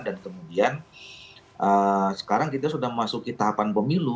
dan kemudian sekarang kita sudah memasuki tahapan pemilu